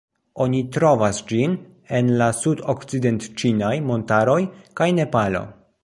Oni trovas ĝin en la Sudokcident-ĉinaj Montaroj kaj Nepalo.